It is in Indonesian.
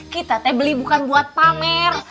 kita teh beli bukan buat pamer